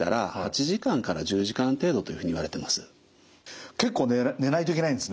はいあの結構寝ないといけないんですね。